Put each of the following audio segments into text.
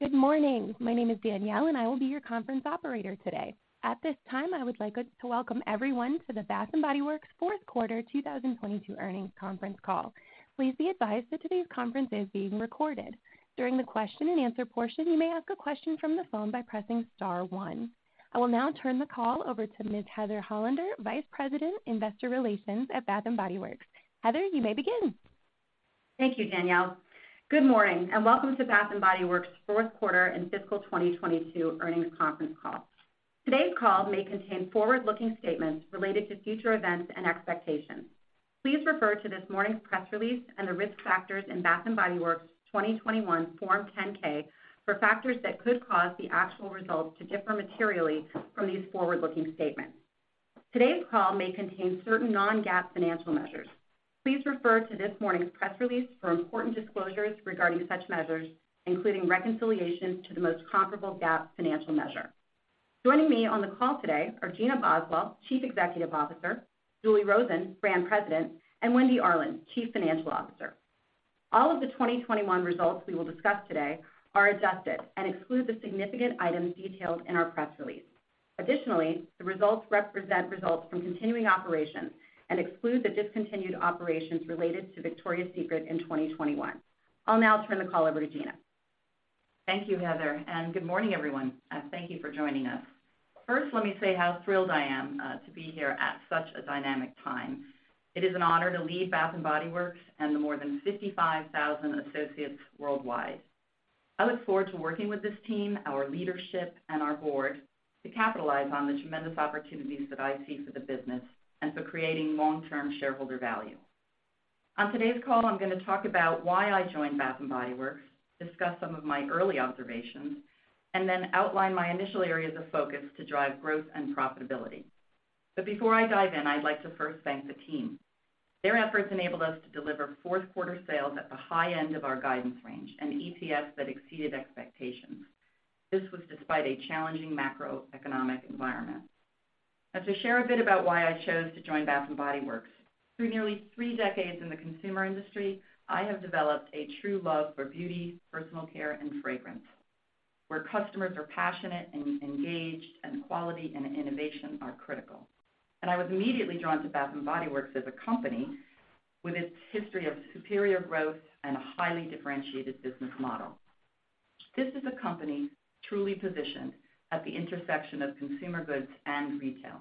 Good morning. My name is Danielle, I will be your conference operator today. At this time, I would like to welcome everyone to the Bath & Body Works fourth quarter 2022 earnings conference call. Please be advised that today's conference is being recorded. During the question and answer portion, you may ask a question from the phone by pressing star one. I will now turn the call over to Ms. Heather Hollander, Vice President, Investor Relations at Bath & Body Works. Heather, you may begin. Thank you, Danielle. Good morning, and welcome to Bath & Body Works' fourth quarter and fiscal 2022 earnings conference call. Today's call may contain forward-looking statements related to future events and expectations. Please refer to this morning's press release and the risk factors in Bath & Body Works' 2021 Form 10-K for factors that could cause the actual results to differ materially from these forward-looking statements. Today's call may contain certain non-GAAP financial measures. Please refer to this morning's press release for important disclosures regarding such measures, including reconciliation to the most comparable GAAP financial measure. Joining me on the call today are Gina Boswell, Chief Executive Officer; Julie Rosen, Brand President, and Wendy Arlin, Chief Financial Officer. All of the 2021 results we will discuss today are adjusted and exclude the significant items detailed in our press release. Additionally, the results represent results from continuing operations and exclude the discontinued operations related to Victoria's Secret in 2021. I'll now turn the call over to Gina. Thank you, Heather. Good morning, everyone. Thank you for joining us. First, let me say how thrilled I am to be here at such a dynamic time. It is an honor to lead Bath & Body Works and the more than 55,000 associates worldwide. I look forward to working with this team, our leadership, and our board to capitalize on the tremendous opportunities that I see for the business and for creating long-term shareholder value. On today's call, I'm going to talk about why I joined Bath & Body Works, discuss some of my early observations, and then outline my initial areas of focus to drive growth and profitability. Before I dive in, I'd like to first thank the team. Their efforts enabled us to deliver fourth quarter sales at the high end of our guidance range and EPS that exceeded expectations. This was despite a challenging macroeconomic environment. To share a bit about why I chose to join Bath & Body Works. Through nearly three decades in the consumer industry, I have developed a true love for beauty, personal care, and fragrance, where customers are passionate and engaged, and quality and innovation are critical. I was immediately drawn to Bath & Body Works as a company with its history of superior growth and a highly differentiated business model. This is a company truly positioned at the intersection of consumer goods and retail.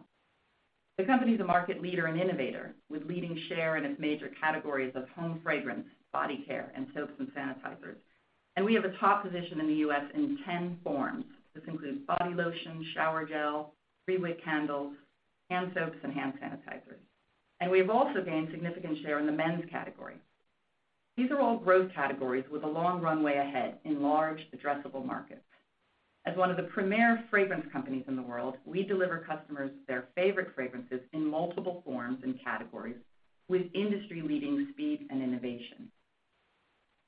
The company is a market leader and innovator with leading share in its major categories of home fragrance, body care, and soaps and sanitizers. We have a top position in the U.S. in 10 forms. This includes body lotion, shower gel, three-wick candles, hand soaps, and hand sanitizers. We have also gained significant share in the men's category. These are all growth categories with a long runway ahead in large addressable markets. As one of the premier fragrance companies in the world, we deliver customers their favorite fragrances in multiple forms and categories with industry-leading speed and innovation.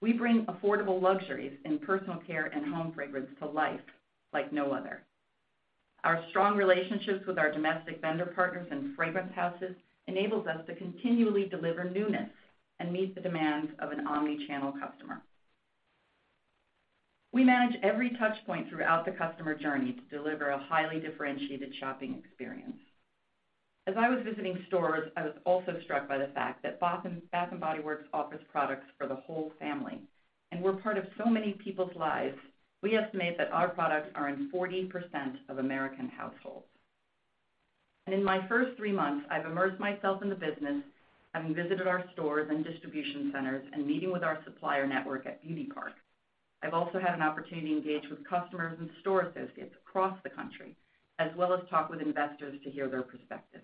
We bring affordable luxuries in personal care and home fragrance to life like no other. Our strong relationships with our domestic vendor partners and fragrance houses enables us to continually deliver newness and meet the demands of an omni-channel customer. We manage every touch point throughout the customer journey to deliver a highly differentiated shopping experience. As I was visiting stores, I was also struck by the fact that Bath & Body Works offers products for the whole family, and we're part of so many people's lives. We estimate that our products are in 40% of American households. In my first three months, I've immersed myself in the business, having visited our stores and distribution centers and meeting with our supplier network at Beauty Park. I've also had an opportunity to engage with customers and store associates across the country, as well as talk with investors to hear their perspectives.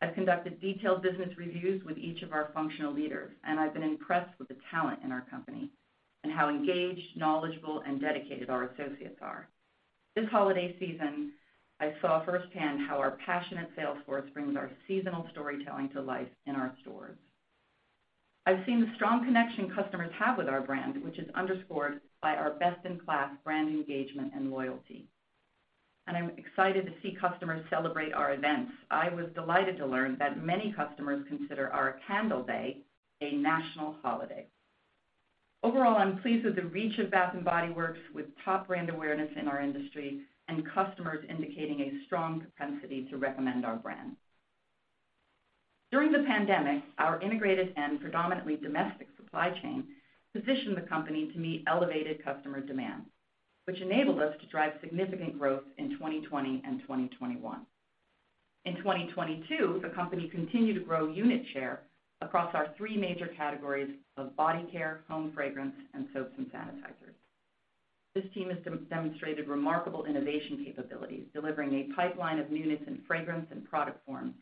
I've conducted detailed business reviews with each of our functional leaders, and I've been impressed with the talent in our company and how engaged, knowledgeable, and dedicated our associates are. This holiday season, I saw firsthand how our passionate sales force brings our seasonal storytelling to life in our stores. I've seen the strong connection customers have with our brand, which is underscored by our best-in-class brand engagement and loyalty, and I'm excited to see customers celebrate our events. I was delighted to learn that many customers consider our Candle Day a national holiday. Overall, I'm pleased with the reach of Bath & Body Works with top brand awareness in our industry and customers indicating a strong propensity to recommend our brand. During the pandemic, our integrated and predominantly domestic supply chain positioned the company to meet elevated customer demand, which enabled us to drive significant growth in 2020 and 2021. In 2022, the company continued to grow unit share across our three major categories of body care, home fragrance, and soaps and sanitizers. This team has demonstrated remarkable innovation capabilities, delivering a pipeline of newness and fragrance and product forms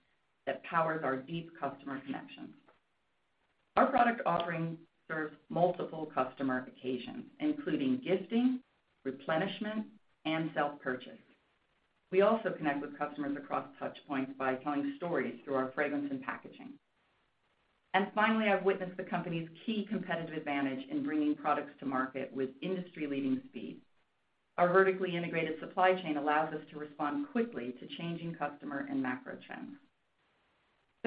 that powers our deep customer connections. Our product offerings serve multiple customer occasions, including gifting, replenishment, and self-purchase. We also connect with customers across touch points by telling stories through our fragrance and packaging. Finally, I've witnessed the company's key competitive advantage in bringing products to market with industry-leading speed. Our vertically integrated supply chain allows us to respond quickly to changing customer and macro trends.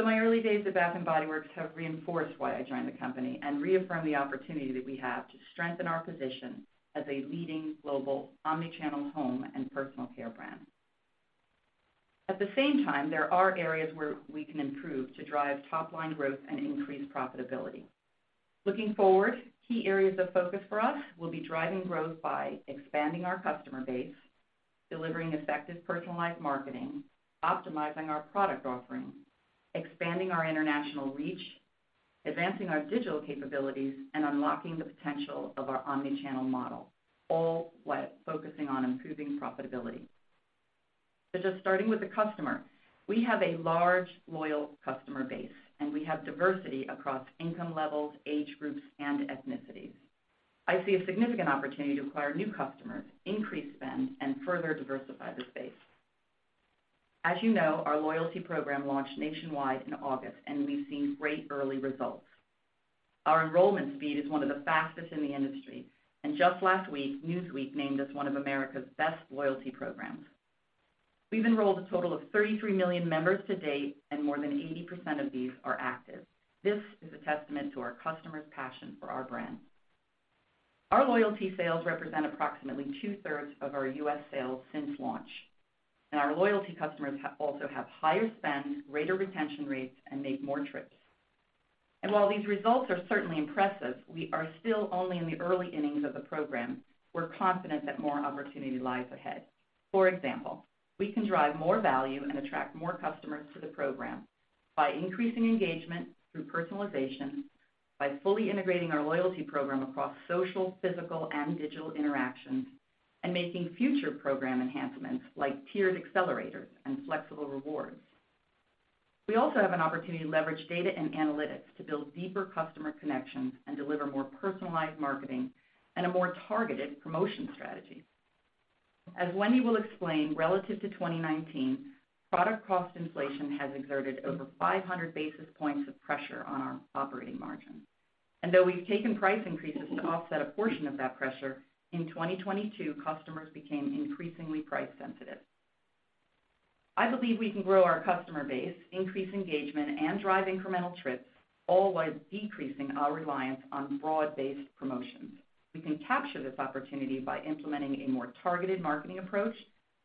My early days at Bath & Body Works have reinforced why I joined the company and reaffirmed the opportunity that we have to strengthen our position as a leading global omni-channel home and personal care brand. At the same time, there are areas where we can improve to drive top line growth and increase profitability. Looking forward, key areas of focus for us will be driving growth by expanding our customer base, delivering effective personalized marketing, optimizing our product offering, expanding our international reach, advancing our digital capabilities, and unlocking the potential of our omni-channel model, all while focusing on improving profitability. Just starting with the customer, we have a large, loyal customer base, and we have diversity across income levels, age groups, and ethnicities. I see a significant opportunity to acquire new customers, increase spend, and further diversify this base. As you know, our loyalty program launched nationwide in August, and we've seen great early results. Our enrollment speed is one of the fastest in the industry, and just last week, Newsweek named us one of America's best loyalty programs. We've enrolled a total of 33 million members to date, and more than 80% of these are active. This is a testament to our customers' passion for our brand. Our loyalty sales represent approximately two-thirds of our U.S. sales since launch. Our loyalty customers also have higher spend, greater retention rates, and make more trips. While these results are certainly impressive, we are still only in the early innings of the program. We're confident that more opportunity lies ahead. For example, we can drive more value and attract more customers to the program by increasing engagement through personalization by fully integrating our loyalty program across social, physical, and digital interactions, and making future program enhancements like tiered accelerators and flexible rewards. We also have an opportunity to leverage data and analytics to build deeper customer connections and deliver more personalized marketing and a more targeted promotion strategy. As Wendy will explain, relative to 2019, product cost inflation has exerted over 500 basis points of pressure on our operating margin. Though we've taken price increases to offset a portion of that pressure, in 2022, customers became increasingly price sensitive. I believe we can grow our customer base, increase engagement, and drive incremental trips, all while decreasing our reliance on broad-based promotions. We can capture this opportunity by implementing a more targeted marketing approach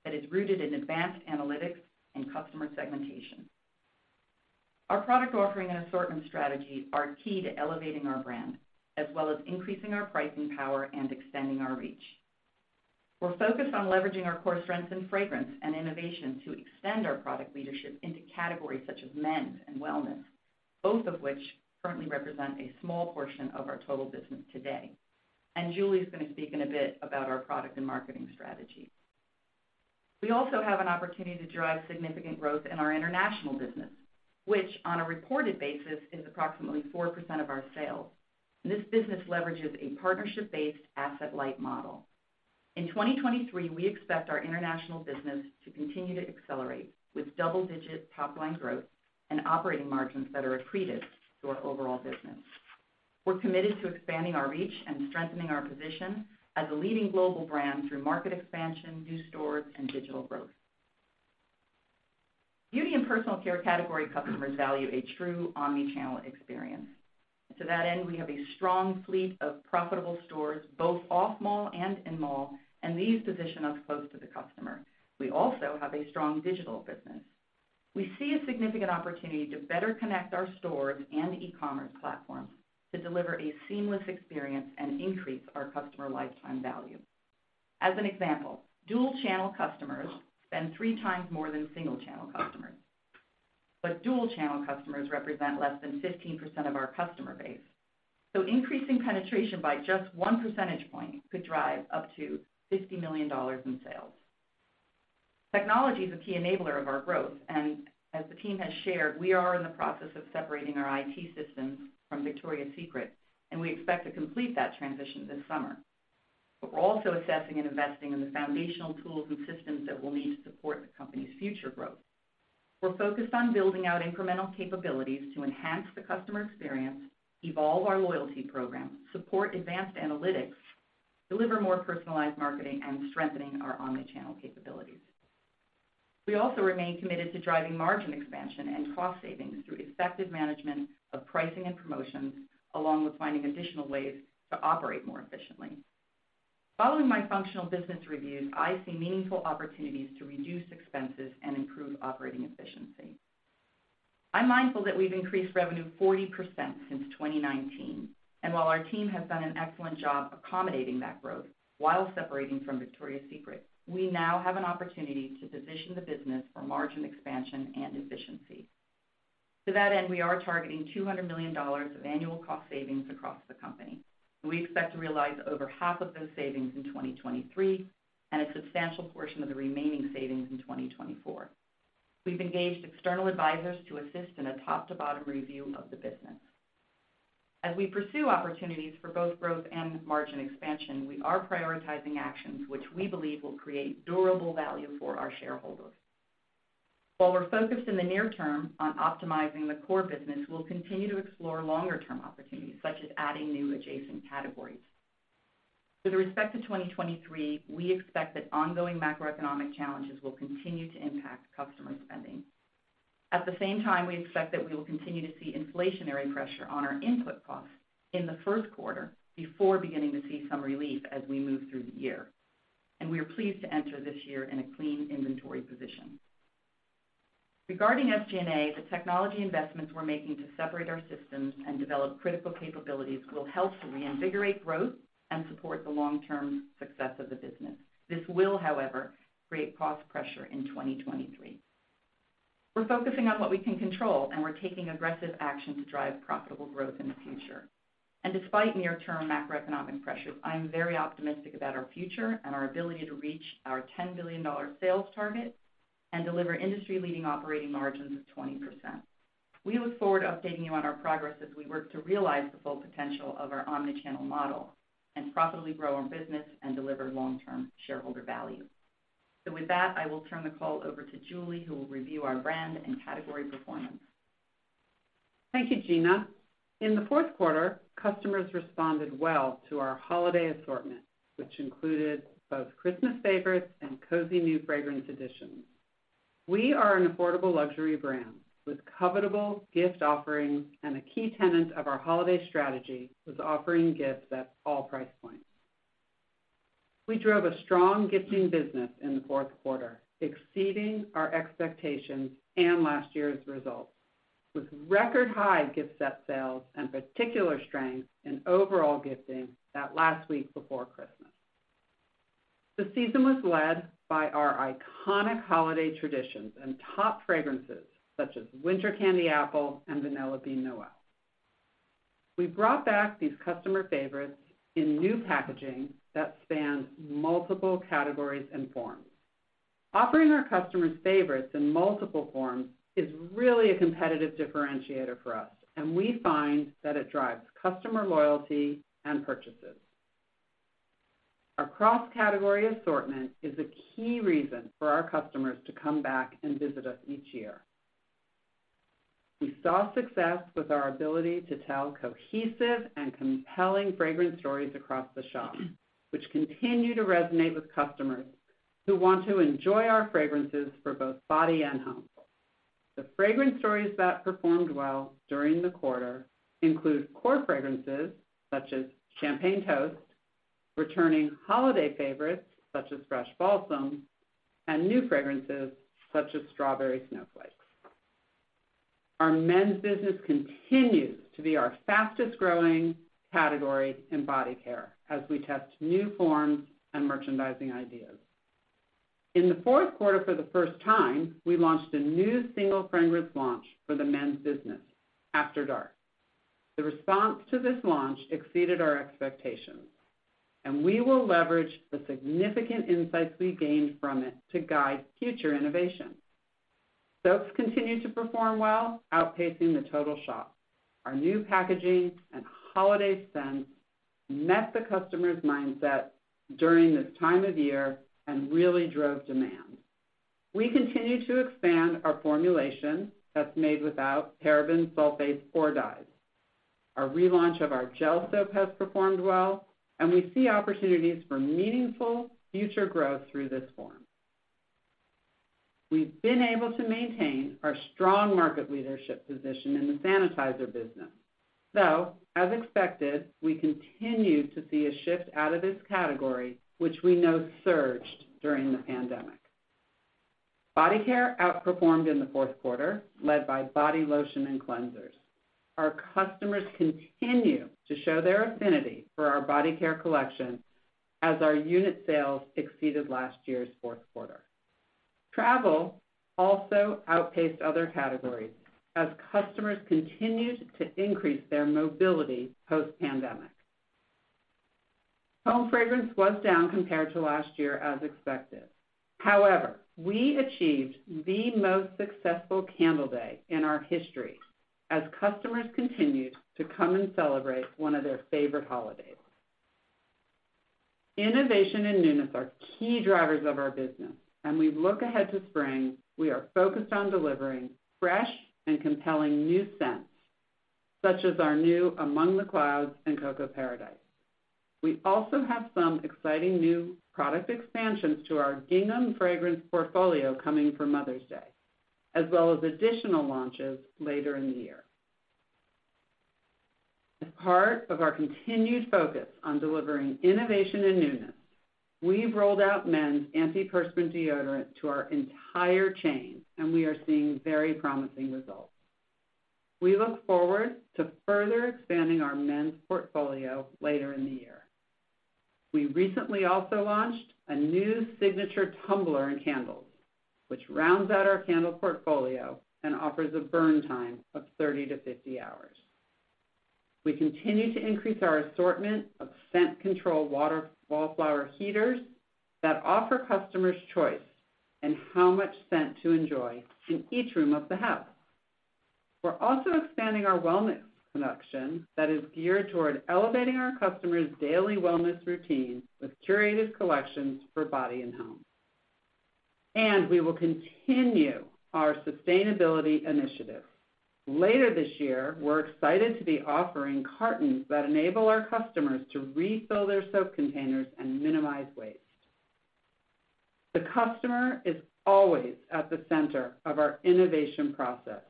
that is rooted in advanced analytics and customer segmentation. Our product offering and assortment strategy are key to elevating our brand, as well as increasing our pricing power and extending our reach. We're focused on leveraging our core strengths in fragrance and innovation to extend our product leadership into categories such as men's and wellness, both of which currently represent a small portion of our total business today. Julie is gonna speak in a bit about our product and marketing strategy. We also have an opportunity to drive significant growth in our international business, which on a reported basis is approximately 4% of our sales. This business leverages a partnership-based asset-light model. In 2023, we expect our international business to continue to accelerate with double-digit top line growth and operating margins that are accretive to our overall business. We're committed to expanding our reach and strengthening our position as a leading global brand through market expansion, new stores, and digital growth. Beauty and personal care category customers value a true omni-channel experience. To that end, we have a strong fleet of profitable stores, both off mall and in mall, and these position us close to the customer. We also have a strong digital business. We see a significant opportunity to better connect our stores and e-commerce platforms to deliver a seamless experience and increase our customer lifetime value. As an example, dual channel customers spend three times more than single channel customers. Dual channel customers represent less than 15% of our customer base. Increasing penetration by just one percentage point could drive up to $50 million in sales. Technology is a key enabler of our growth. As the team has shared, we are in the process of separating our IT systems from Victoria's Secret, and we expect to complete that transition this summer. We're also assessing and investing in the foundational tools and systems that we'll need to support the company's future growth. We're focused on building out incremental capabilities to enhance the customer experience, evolve our loyalty program, support advanced analytics, deliver more personalized marketing, and strengthening our omni-channel capabilities. We also remain committed to driving margin expansion and cost savings through effective management of pricing and promotions, along with finding additional ways to operate more efficiently. Following my functional business reviews, I see meaningful opportunities to reduce expenses and improve operating efficiency. I'm mindful that we've increased revenue 40% since 2019, while our team has done an excellent job accommodating that growth while separating from Victoria's Secret, we now have an opportunity to position the business for margin expansion and efficiency. To that end, we are targeting $200 million of annual cost savings across the company. We expect to realize over half of those savings in 2023 and a substantial portion of the remaining savings in 2024. We've engaged external advisors to assist in a top to bottom review of the business. As we pursue opportunities for both growth and margin expansion, we are prioritizing actions which we believe will create durable value for our shareholders. While we're focused in the near term on optimizing the core business, we'll continue to explore longer term opportunities such as adding new adjacent categories. With respect to 2023, we expect that ongoing macroeconomic challenges will continue to impact customer spending. At the same time, we expect that we will continue to see inflationary pressure on our input costs in the first quarter before beginning to see some relief as we move through the year. We are pleased to enter this year in a clean inventory position. Regarding SG&A, the technology investments we're making to separate our systems and develop critical capabilities will help to reinvigorate growth and support the long-term success of the business. This will, however, create cost pressure in 2023. We're focusing on what we can control, and we're taking aggressive action to drive profitable growth in the future. Despite near-term macroeconomic pressures, I am very optimistic about our future and our ability to reach our $10 billion sales target and deliver industry-leading operating margins of 20%. We look forward to updating you on our progress as we work to realize the full potential of our omnichannel model and profitably grow our business and deliver long-term shareholder value. With that, I will turn the call over to Julie, who will review our brand and category performance. Thank you, Gina. In the fourth quarter, customers responded well to our holiday assortment, which included both Christmas favorites and cozy new fragrance additions. We are an affordable luxury brand with covetable gift offerings, and a key tenet of our holiday strategy was offering gifts at all price points. We drove a strong gifting business in the fourth quarter, exceeding our expectations and last year's results, with record high gift set sales and particular strength in overall gifting that last week before Christmas. The season was led by our iconic holiday traditions and top fragrances, such as Winter Candy Apple and Vanilla Bean Noel. We brought back these customer favorites in new packaging that spans multiple categories and forms. Offering our customers favorites in multiple forms is really a competitive differentiator for us, and we find that it drives customer loyalty and purchases. Our cross-category assortment is a key reason for our customers to come back and visit us each year. We saw success with our ability to tell cohesive and compelling fragrance stories across the shop, which continue to resonate with customers who want to enjoy our fragrances for both body and home. The fragrance stories that performed well during the quarter include core fragrances such as Champagne Toast, returning holiday favorites such as Fresh Balsam, and new fragrances such as Strawberry Snowflakes. Our men's business continues to be our fastest-growing category in body care as we test new forms and merchandising ideas. In the fourth quarter for the first time, we launched a new single fragrance launch for the men's business, After Dark. The response to this launch exceeded our expectations. We will leverage the significant insights we gained from it to guide future innovation. Soaps continued to perform well, outpacing the total shop. Our new packaging and holiday scents met the customer's mindset during this time of year and really drove demand. We continue to expand our formulation that's made without parabens, sulfates or dyes. Our relaunch of our gel soap has performed well, and we see opportunities for meaningful future growth through this form. We've been able to maintain our strong market leadership position in the sanitizer business. As expected, we continue to see a shift out of this category, which we know surged during the pandemic. Body care outperformed in the fourth quarter, led by body lotion and cleansers. Our customers continue to show their affinity for our body care collection as our unit sales exceeded last year's fourth quarter. Travel also outpaced other categories as customers continued to increase their mobility post-pandemic. Home fragrance was down compared to last year as expected. We achieved the most successful Candle Day in our history as customers continued to come and celebrate one of their favorite holidays. Innovation and newness are key drivers of our business, we look ahead to spring, we are focused on delivering fresh and compelling new scents, such as our new Among the Clouds and Cocoa Paradise. We also have some exciting new product expansions to our Gingham fragrance portfolio coming for Mother's Day, as well as additional launches later in the year. As part of our continued focus on delivering innovation and newness, we've rolled out men's antiperspirant deodorant to our entire chain, we are seeing very promising results. We look forward to further expanding our men's portfolio later in the year. We recently also launched a new signature tumbler in candles, which rounds out our candle portfolio and offers a burn time of 30 to 50 hours. We continue to increase our assortment of scent control Wallflower heaters that offer customers choice in how much scent to enjoy in each room of the house. We're also expanding our wellness collection that is geared toward elevating our customers' daily wellness routines with curated collections for body and home. We will continue our sustainability initiatives. Later this year, we're excited to be offering cartons that enable our customers to refill their soap containers and minimize waste. The customer is always at the center of our innovation process.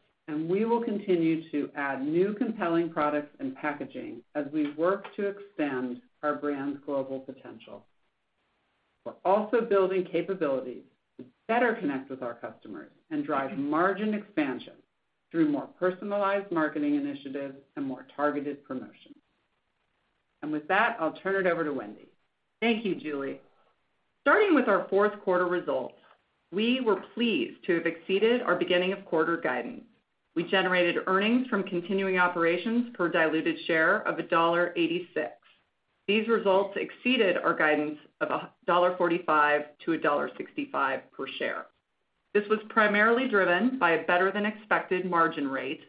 We will continue to add new compelling products and packaging as we work to expand our brand's global potential. We're also building capabilities to better connect with our customers and drive margin expansion through more personalized marketing initiatives and more targeted promotions. With that, I'll turn it over to Wendy. Thank you, Julie. Starting with our fourth quarter results, we were pleased to have exceeded our beginning of quarter guidance. We generated earnings from continuing operations per diluted share of $1.86. These results exceeded our guidance of $1.45-$1.65 per share. This was primarily driven by a better-than-expected margin rate,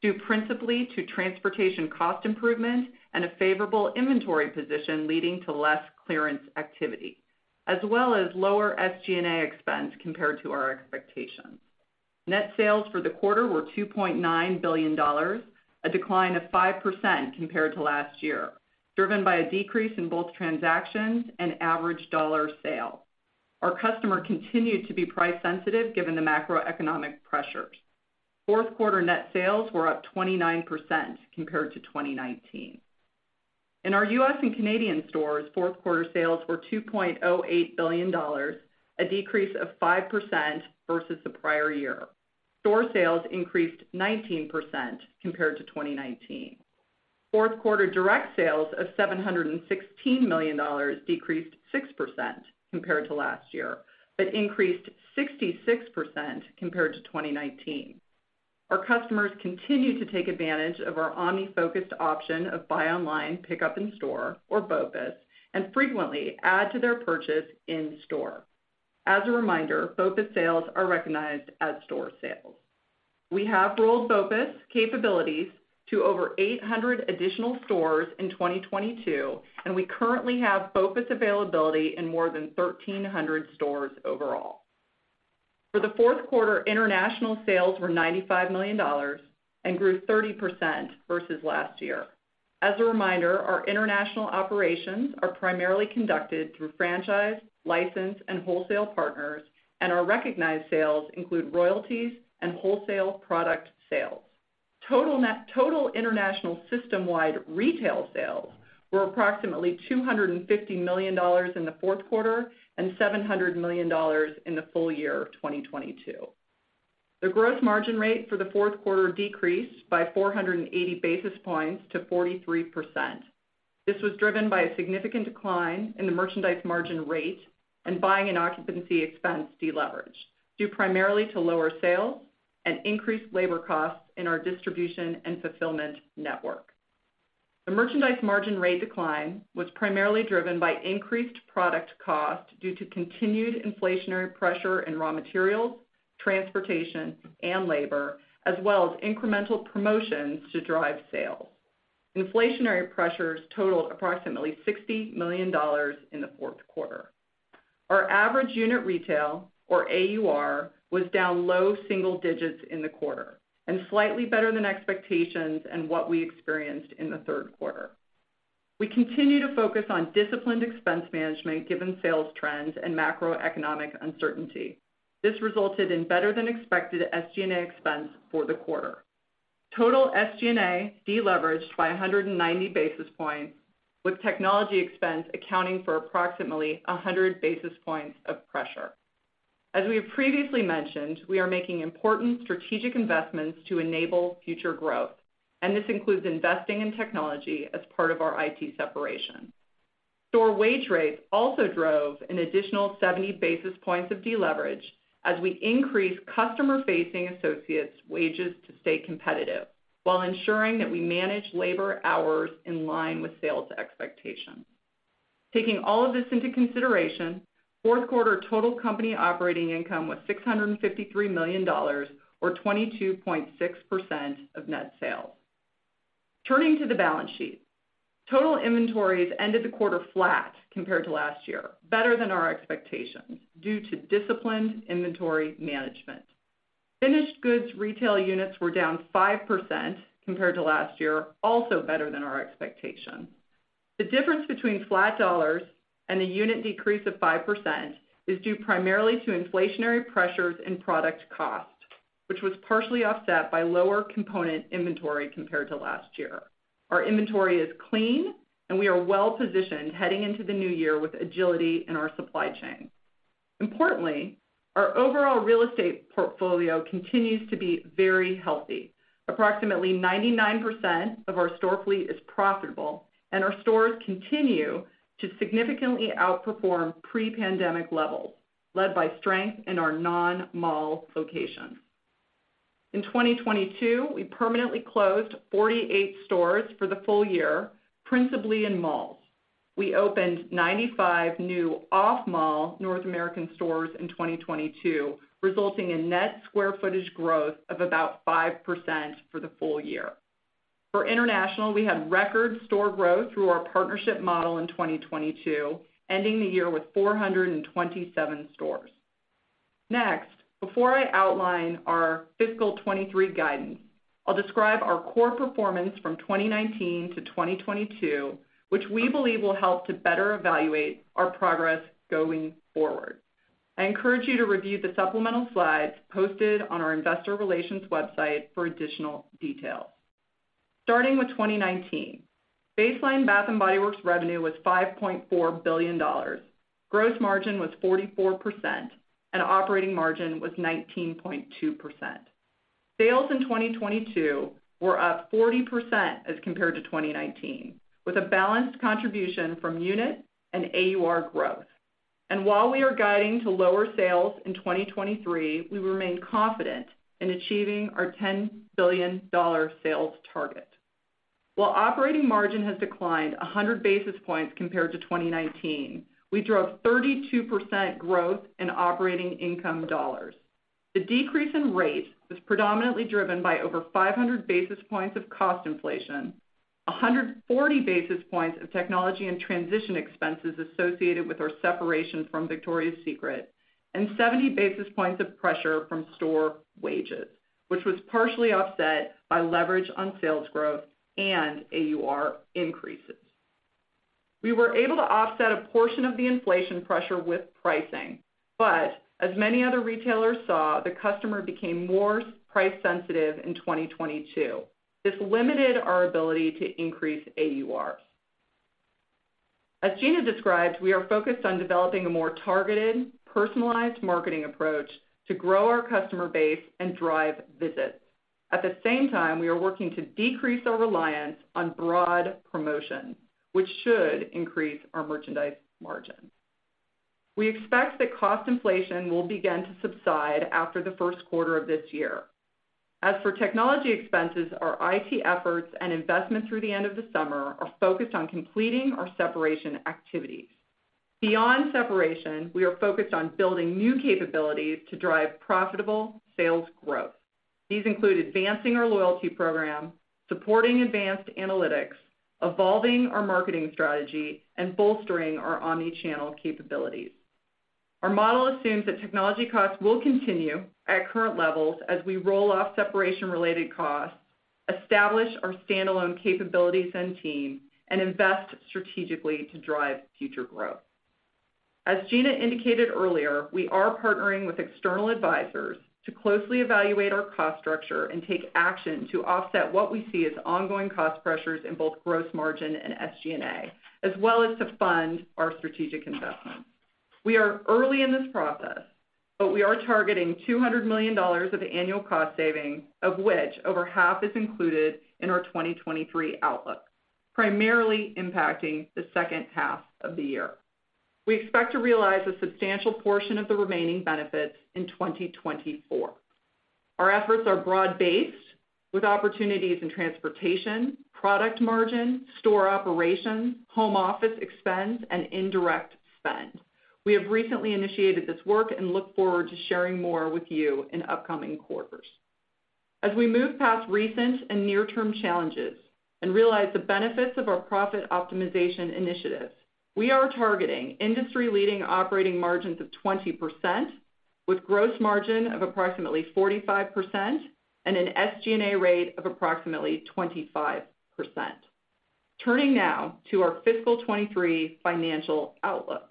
due principally to transportation cost improvement and a favorable inventory position leading to less clearance activity, as well as lower SG&A expense compared to our expectations. Net sales for the quarter were $2.9 billion, a decline of 5% compared to last year, driven by a decrease in both transactions and average dollar sale. Our customer continued to be price sensitive given the macroeconomic pressures. Fourth quarter net sales were up 29% compared to 2019. In our U.S. and Canadian stores, fourth quarter sales were $2.08 billion, a decrease of 5% versus the prior year. Store sales increased 19% compared to 2019. Fourth quarter direct sales of $716 million decreased 6% compared to last year, but increased 66% compared to 2019. Our customers continued to take advantage of our omni-focused option of buy online, pickup in store, or BOPUS, and frequently add to their purchase in store. As a reminder, BOPUS sales are recognized as store sales. We have rolled BOPUS capabilities to over 800 additional stores in 2022, and we currently have BOPUS availability in more than 1,300 stores overall. For the fourth quarter, international sales were $95 million and grew 30% versus last year. As a reminder, our international operations are primarily conducted through franchise, license, and wholesale partners, and our recognized sales include royalties and wholesale product sales. Total international system-wide retail sales were approximately $250 million in the fourth quarter and $700 million in the full year of 2022. The gross margin rate for the fourth quarter decreased by 480 basis points to 43%. This was driven by a significant decline in the merchandise margin rate and buying and occupancy expense deleverage, due primarily to lower sales and increased labor costs in our distribution and fulfillment network. The merchandise margin rate decline was primarily driven by increased product cost due to continued inflationary pressure in raw materials, transportation, and labor, as well as incremental promotions to drive sales. Inflationary pressures totaled approximately $60 million in the fourth quarter. Our average unit retail, or AUR, was down low single digits in the quarter and slightly better than expectations and what we experienced in the third quarter. We continue to focus on disciplined expense management given sales trends and macroeconomic uncertainty. This resulted in better-than-expected SG&A expense for the quarter. Total SG&A deleveraged by 190 basis points, with technology expense accounting for approximately 100 basis points of pressure. As we have previously mentioned, we are making important strategic investments to enable future growth. This includes investing in technology as part of our IT separation. Store wage rates also drove an additional 70 basis points of deleverage as we increased customer-facing associates' wages to stay competitive while ensuring that we manage labor hours in line with sales expectations. Taking all of this into consideration, fourth quarter total company operating income was $653 million or 22.6% of net sales. Turning to the balance sheet. Total inventories ended the quarter flat compared to last year, better than our expectations due to disciplined inventory management. Finished goods retail units were down 5% compared to last year, also better than our expectation. The difference between flat dollars and a unit decrease of 5% is due primarily to inflationary pressures in product cost, which was partially offset by lower component inventory compared to last year. Our inventory is clean, and we are well positioned heading into the new year with agility in our supply chain. Importantly, our overall real estate portfolio continues to be very healthy. Approximately 99% of our store fleet is profitable, and our stores continue to significantly outperform pre-pandemic levels, led by strength in our non-mall locations. In 2022, we permanently closed 48 stores for the full year, principally in malls. We opened 95 new off-mall North American stores in 2022, resulting in net square footage growth of about 5% for the full year. International, we had record store growth through our partnership model in 2022, ending the year with 427 stores. Before I outline our fiscal 23 guidance, I'll describe our core performance from 2019 to 2022, which we believe will help to better evaluate our progress going forward. I encourage you to review the supplemental slides posted on our investor relations website for additional details. Starting with 2019, baseline Bath & Body Works revenue was $5.4 billion. Gross margin was 44% and operating margin was 19.2%. Sales in 2022 were up 40% as compared to 2019, with a balanced contribution from unit and AUR growth. While we are guiding to lower sales in 2023, we remain confident in achieving our $10 billion sales target. While operating margin has declined 100 basis points compared to 2019, we drove 32% growth in operating income dollars. The decrease in rate was predominantly driven by over 500 basis points of cost inflation, 140 basis points of technology and transition expenses associated with our separation from Victoria's Secret, and 70 basis points of pressure from store wages, which was partially offset by leverage on sales growth and AUR increases. We were able to offset a portion of the inflation pressure with pricing, but as many other retailers saw, the customer became more price sensitive in 2022. This limited our ability to increase AURs. As Gina described, we are focused on developing a more targeted, personalized marketing approach to grow our customer base and drive visits. At the same time, we are working to decrease our reliance on broad promotion, which should increase our merchandise margins. We expect that cost inflation will begin to subside after the first quarter of this year. As for technology expenses, our IT efforts and investments through the end of the summer are focused on completing our separation activities. Beyond separation, we are focused on building new capabilities to drive profitable sales growth. These include advancing our loyalty program, supporting advanced analytics, evolving our marketing strategy, and bolstering our omni-channel capabilities. Our model assumes that technology costs will continue at current levels as we roll off separation-related costs, establish our standalone capabilities and team, and invest strategically to drive future growth. As Gina indicated earlier, we are partnering with external advisors to closely evaluate our cost structure and take action to offset what we see as ongoing cost pressures in both gross margin and SG&A, as well as to fund our strategic investments. We are early in this process. We are targeting $200 million of annual cost savings, of which over half is included in our 2023 outlook, primarily impacting the second half of the year. We expect to realize a substantial portion of the remaining benefits in 2024. Our efforts are broad-based with opportunities in transportation, product margin, store operations, home office expense, and indirect spend. We have recently initiated this work and look forward to sharing more with you in upcoming quarters. As we move past recent and near-term challenges and realize the benefits of our profit optimization initiatives, we are targeting industry-leading operating margins of 20% with gross margin of approximately 45% and an SG&A rate of approximately 25%. Turning now to our fiscal 2023 financial outlook.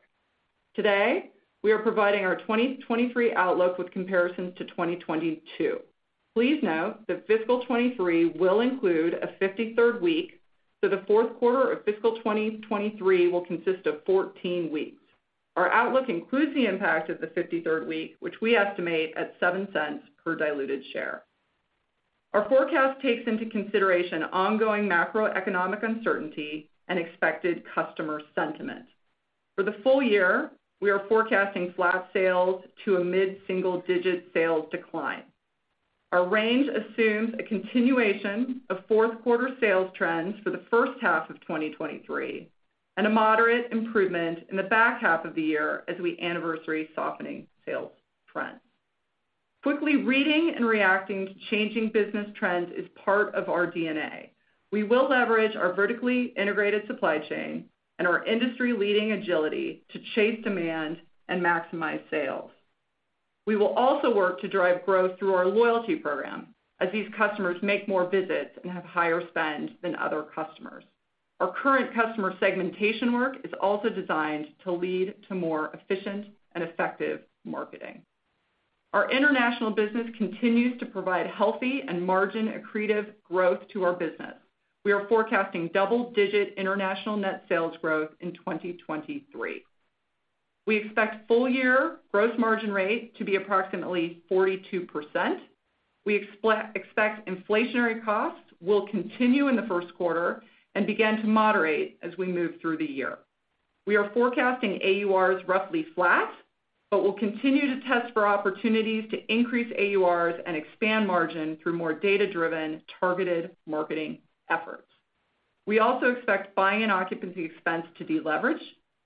Today, we are providing our 2023 outlook with comparisons to 2022. Please note that fiscal 2023 will include a 53rd week, so the fourth quarter of fiscal 2023 will consist of 14 weeks. Our outlook includes the impact of the 53rd week, which we estimate at $0.07 per diluted share. Our forecast takes into consideration ongoing macroeconomic uncertainty and expected customer sentiment. For the full year, we are forecasting flat sales to a mid-single-digit sales decline. Our range assumes a continuation of fourth quarter sales trends for the first half of 2023 and a moderate improvement in the back half of the year as we anniversary softening sales trends. Quickly reading and reacting to changing business trends is part of our DNA. We will leverage our vertically integrated supply chain and our industry-leading agility to chase demand and maximize sales. We will also work to drive growth through our loyalty program as these customers make more visits and have higher spend than other customers. Our current customer segmentation work is also designed to lead to more efficient and effective marketing. Our international business continues to provide healthy and margin-accretive growth to our business. We are forecasting double-digit international net sales growth in 2023. We expect full year gross margin rate to be approximately 42%. We expect inflationary costs will continue in the first quarter and begin to moderate as we move through the year. We are forecasting AURs roughly flat, but we'll continue to test for opportunities to increase AURs and expand margin through more data-driven targeted marketing efforts. We also expect buying and occupancy expense to deleverage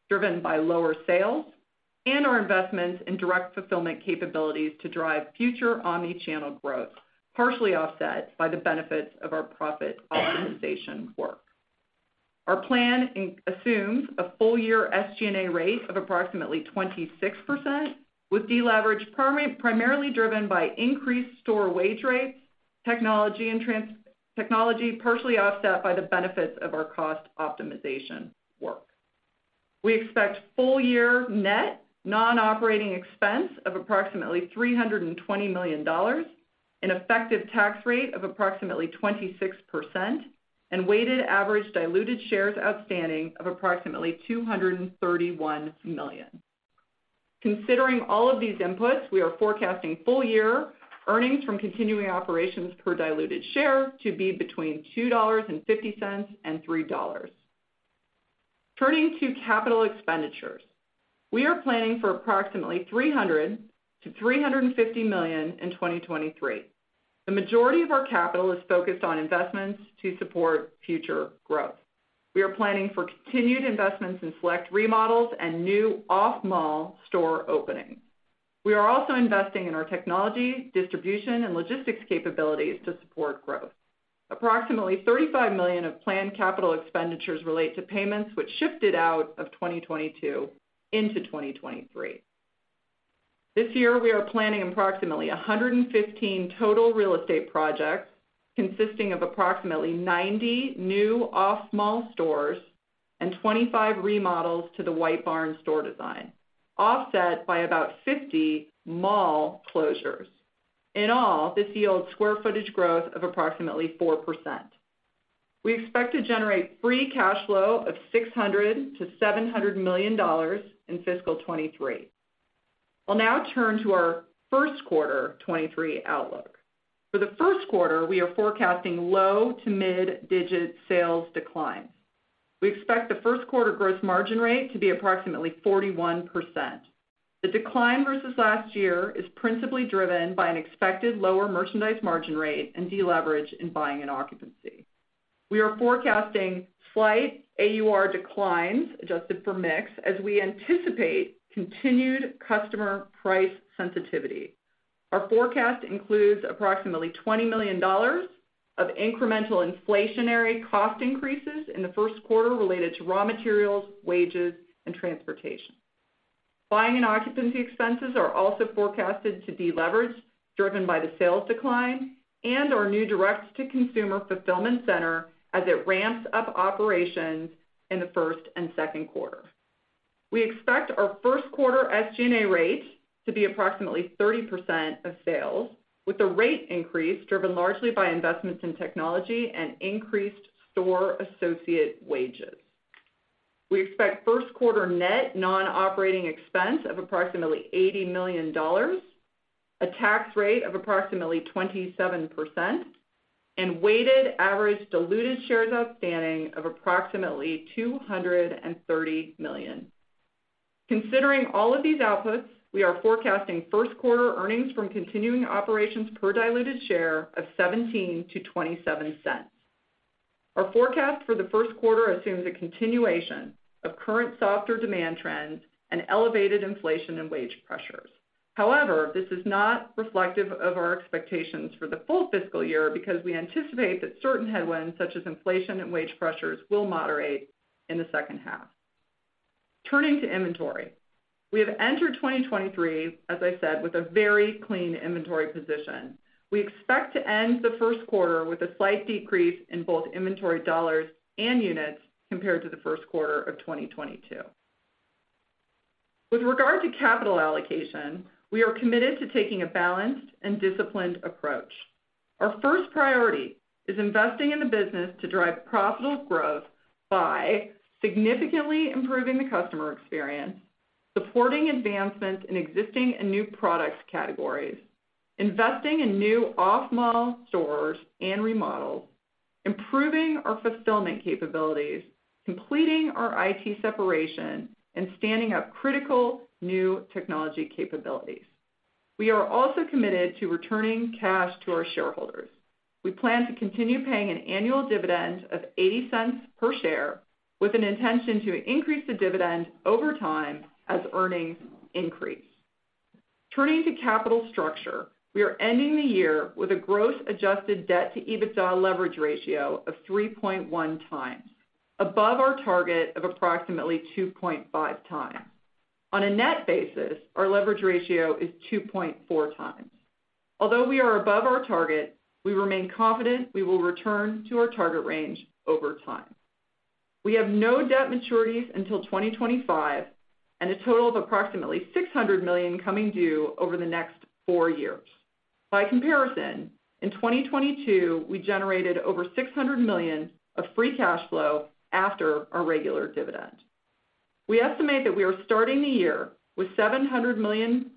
driven by lower sales and our investments in direct fulfillment capabilities to drive future omni-channel growth, partially offset by the benefits of our profit optimization work. Our plan assumes a full year SG&A rate of approximately 26%, with deleverage primarily driven by increased store wage rates, technology, partially offset by the benefits of our cost optimization work. We expect full year net non-operating expense of approximately $320 million, an effective tax rate of approximately 26%, and weighted average diluted shares outstanding of approximately 231 million. Considering all of these inputs, we are forecasting full year earnings from continuing operations per diluted share to be between $2.50-$3. Turning to capital expenditures. We are planning for approximately $300 million-$350 million in 2023. The majority of our capital is focused on investments to support future growth. We are planning for continued investments in select remodels and new off-mall store openings. We are also investing in our technology, distribution, and logistics capabilities to support growth. Approximately $35 million of planned capital expenditures relate to payments, which shifted out of 2022 into 2023. This year, we are planning approximately 115 total real estate projects consisting of approximately 90 new off-mall stores and 25 remodels to the White Barn store design, offset by about 50 mall closures. In all, this yields square footage growth of approximately 4%. We expect to generate free cash flow of $600 million-$700 million in fiscal 2023. I'll now turn to our first quarter 2023 outlook. For the first quarter, we are forecasting low to mid-digit sales declines. We expect the first quarter gross margin rate to be approximately 41%. The decline versus last year is principally driven by an expected lower merchandise margin rate and deleverage in buying and occupancy. We are forecasting slight AUR declines adjusted for mix as we anticipate continued customer price sensitivity. Our forecast includes approximately $20 million of incremental inflationary cost increases in the first quarter related to raw materials, wages, and transportation. Buying and occupancy expenses are also forecasted to deleverage driven by the sales decline and our new direct-to-consumer fulfillment center as it ramps up operations in the first and second quarter. We expect our first quarter SG&A rate to be approximately 30% of sales, with the rate increase driven largely by investments in technology and increased store associate wages. We expect first quarter net non-operating expense of approximately $80 million, a tax rate of approximately 27%, and weighted average diluted shares outstanding of approximately 230 million. Considering all of these outputs, we are forecasting first quarter earnings from continuing operations per diluted share of $0.17-$0.27. Our forecast for the first quarter assumes a continuation of current softer demand trends and elevated inflation and wage pressures. However, this is not reflective of our expectations for the full fiscal year because we anticipate that certain headwinds, such as inflation and wage pressures, will moderate in the second half. Turning to inventory. We have entered 2023, as I said, with a very clean inventory position. We expect to end the first quarter with a slight decrease in both inventory dollars and units compared to the first quarter of 2022. With regard to capital allocation, we are committed to taking a balanced and disciplined approach. Our first priority is investing in the business to drive profitable growth by significantly improving the customer experience, supporting advancements in existing and new products categories, investing in new off-mall stores and remodels, improving our fulfillment capabilities, completing our IT separation, and standing up critical new technology capabilities. We are also committed to returning cash to our shareholders. We plan to continue paying an annual dividend of $0.80 per share with an intention to increase the dividend over time as earnings increase. Turning to capital structure. We are ending the year with a gross adjusted debt to EBITDA leverage ratio of 3.1 times, above our target of approximately 2.5 times. On a net basis, our leverage ratio is 2.4 times. Although we are above our target, we remain confident we will return to our target range over time. We have no debt maturities until 2025 and a total of approximately $600 million coming due over the next four years. By comparison, in 2022, we generated over $600 million of free cash flow after our regular dividend. We estimate that we are starting the year with $700 million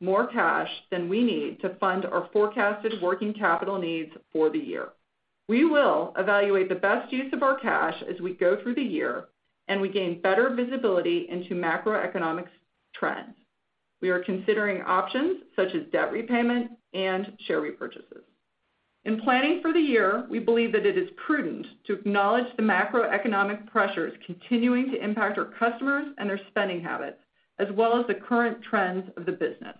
more cash than we need to fund our forecasted working capital needs for the year. We will evaluate the best use of our cash as we go through the year and we gain better visibility into macroeconomic trends. We are considering options such as debt repayment and share repurchases. In planning for the year, we believe that it is prudent to acknowledge the macroeconomic pressures continuing to impact our customers and their spending habits, as well as the current trends of the business.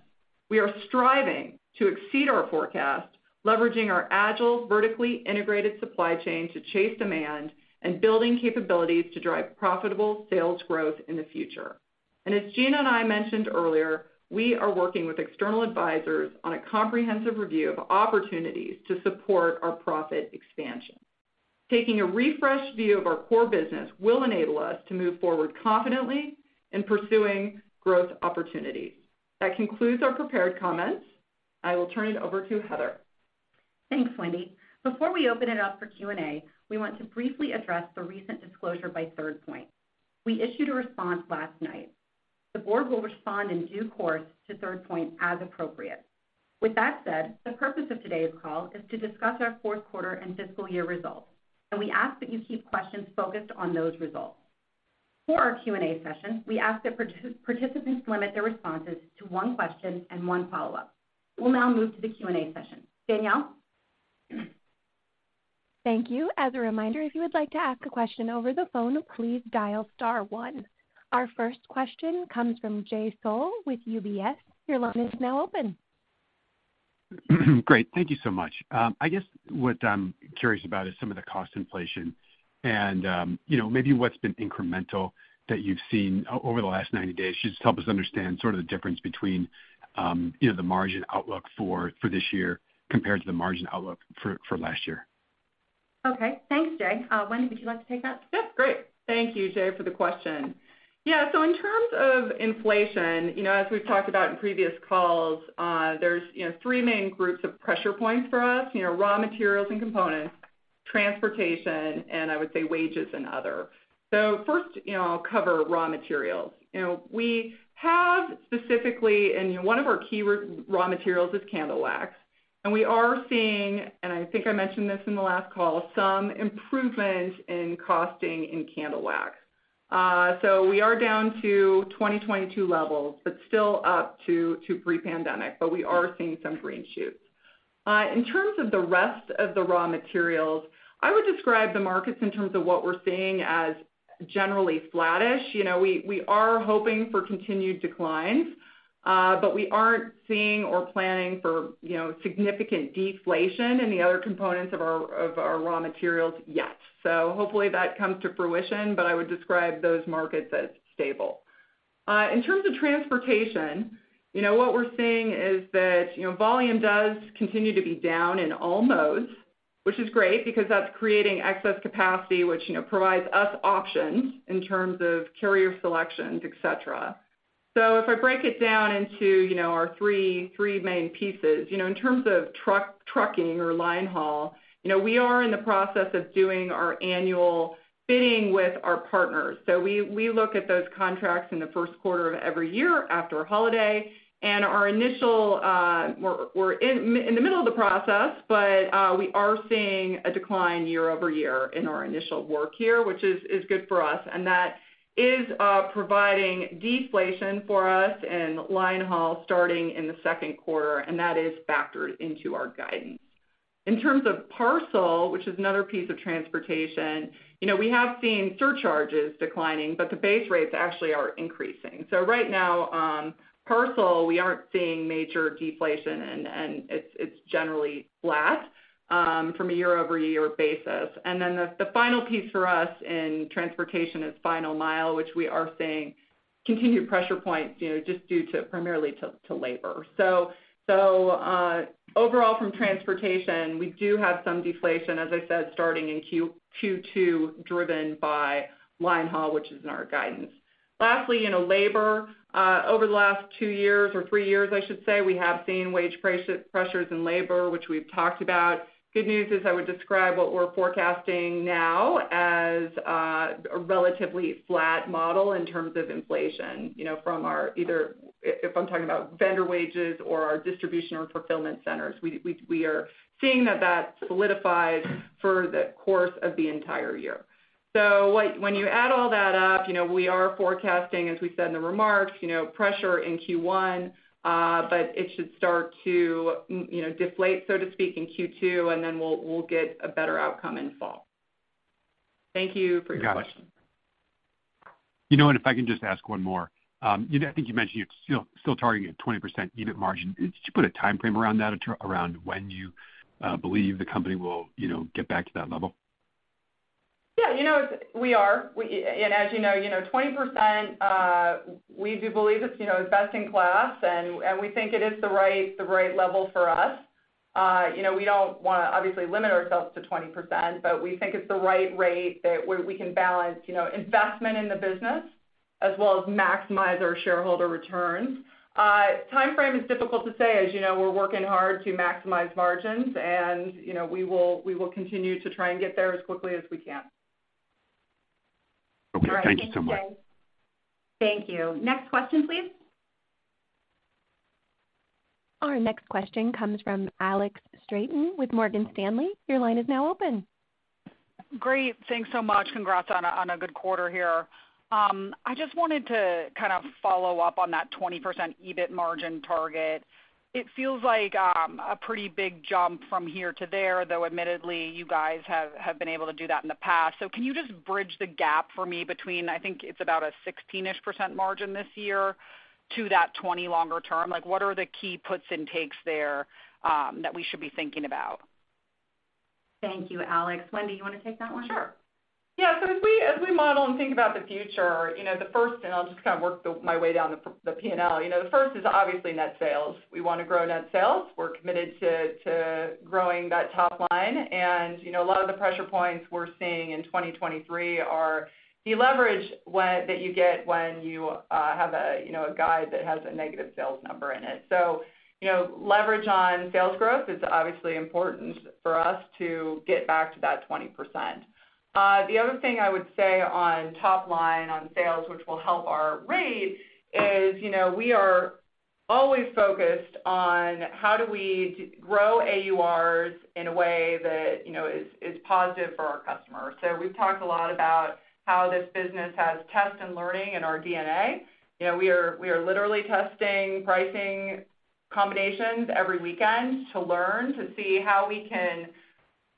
We are striving to exceed our forecast, leveraging our agile, vertically integrated supply chain to chase demand and building capabilities to drive profitable sales growth in the future. As Gina and I mentioned earlier, we are working with external advisors on a comprehensive review of opportunities to support our profit expansion. Taking a refreshed view of our core business will enable us to move forward confidently in pursuing growth opportunities. That concludes our prepared comments. I will turn it over to Heather. Thanks, Wendy. Before we open it up for Q&A, we want to briefly address the recent disclosure by Third Point. We issued a response last night. The board will respond in due course to Third Point as appropriate. With that said, the purpose of today's call is to discuss our fourth quarter and fiscal year results, and we ask that you keep questions focused on those results. For our Q&A session, we ask that participants limit their responses to one question and one follow-up. We'll now move to the Q&A session. Danielle? Thank you. As a reminder, if you would like to ask a question over the phone, please dial star one. Our first question comes from Jay Sole with UBS. Your line is now open. Great. Thank you so much. I guess what I'm curious about is some of the cost inflation and, you know, maybe what's been incremental that you've seen over the last 90 days, just to help us understand sort of the difference between, you know, the margin outlook for this year compared to the margin outlook for last year. Okay. Thanks, Jay. Wendy, would you like to take that? Yep, great. Thank you, Jay, for the question. In terms of inflation, you know, as we've talked about in previous calls, there's, you know, three main groups of pressure points for us. You know, raw materials and components, transportation, and I would say wages and other. First, you know, I'll cover raw materials. You know, we have specifically, and one of our key raw materials is candle wax. We are seeing, and I think I mentioned this in the last call, some improvement in costing in candle wax. We are down to 2022 levels, but still up to pre-pandemic, we are seeing some green shoots. In terms of the rest of the raw materials, I would describe the markets in terms of what we're seeing as generally flattish. You know, we are hoping for continued declines, but we aren't seeing or planning for, you know, significant deflation in the other components of our, of our raw materials yet. Hopefully that comes to fruition, but I would describe those markets as stable. In terms of transportation, you know, what we're seeing is that, you know, volume does continue to be down in all modes, which is great because that's creating excess capacity, which, you know, provides us options in terms of carrier selections, et cetera. If I break it down into, you know, our three main pieces. You know, in terms of truck-trucking or line haul, you know, we are in the process of doing our annual fitting with our partners. We look at those contracts in the first quarter of every year after holiday, and our initial, we're in the middle of the process, but we are seeing a decline year-over-year in our initial work here, which is good for us. That is providing deflation for us in line haul starting in the second quarter, and that is factored into our guidance. In terms of parcel, which is another piece of transportation, you know, we have seen surcharges declining, but the base rates actually are increasing. Right now, parcel, we aren't seeing major deflation and it's generally flat from a year-over-year basis. The final piece for us in transportation is final mile, which we are seeing continued pressure points, you know, just due to primarily to labor. Overall from transportation, we do have some deflation, as I said, starting in Q2 driven by line haul, which is in our guidance. Lastly, you know, labor, over the last two years or three years, I should say, we have seen wage pressures in labor, which we've talked about. Good news is I would describe what we're forecasting now as a relatively flat model in terms of inflation, you know, from our either if I'm talking about vendor wages or our distribution or fulfillment centers, we are seeing that that solidifies for the course of the entire year. When you add all that up, you know, we are forecasting, as we said in the remarks, you know, pressure in Q1, but it should start to, you know, deflate, so to speak, in Q2, and then we'll get a better outcome in fall. Thank you for your question. You know what, if I can just ask one more. I think you mentioned you're still targeting a 20% EBIT margin. Did you put a timeframe around that, around when you believe the company will, you know, get back to that level? Yeah. You know, we are. As you know, you know, 20%, we do believe it's, you know, best in class, and we think it is the right, the right level for us. You know, we don't wanna obviously limit ourselves to 20%. We think it's the right rate that we can balance, you know, investment in the business as well as maximize our shareholder returns. Timeframe is difficult to say. As you know, we're working hard to maximize margins, and you know, we will continue to try and get there as quickly as we can. Okay. Thank you so much. Thank you. Next question, please. Our next question comes from Alex Straton with Morgan Stanley. Your line is now open. Great. Thanks so much. Congrats on a good quarter here. I just wanted to kind of follow up on that 20% EBIT margin target. It feels like a pretty big jump from here to there, though admittedly, you guys have been able to do that in the past. Can you just bridge the gap for me between I think it's about a 16%-ish margin this year to that 20 longer term? Like, what are the key puts and takes there, that we should be thinking about? Thank you, Alex. Wendy, you wanna take that one? Sure. Yeah. As we model and think about the future, you know, the first. I'll just kind of work my way down the P&L. You know, the first is obviously net sales. We wanna grow net sales. We're committed to growing that top line. You know, a lot of the pressure points we're seeing in 2023 are the leverage that you get when you have a, you know, a guide that has a negative sales number in it. You know, leverage on sales growth is obviously important for us to get back to that 20%. The other thing I would say on top line, on sales, which will help our rate is, you know, we are always focused on how do we grow AURs in a way that, you know, is positive for our customers. We've talked a lot about how this business has test and learning in our DNA. You know, we are literally testing pricing combinations every weekend to learn to see how we can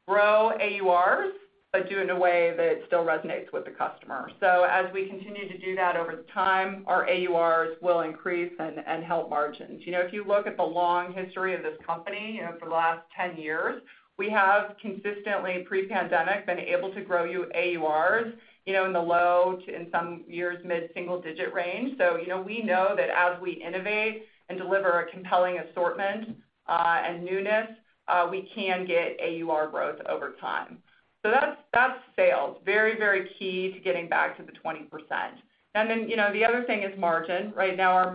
grow AURs, but do it in a way that still resonates with the customer. As we continue to do that over the time, our AURs will increase and help margins. You know, if you look at the long history of this company, you know, for the last 10 years, we have consistently, pre-pandemic, been able to grow AURs, you know, in the low to, in some years, mid-single digit range. You know, we know that as we innovate and deliver a compelling assortment and newness, we can get AUR growth over time. That's sales, Very, very key to getting back to the 20%. You know, the other thing is margin. Right now our